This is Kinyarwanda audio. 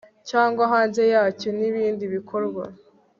cyangwa hanze yacyo n ibindi bikorwa